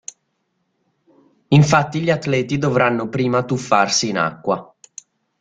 Infatti gli atleti dovranno prima tuffarsi in acqua.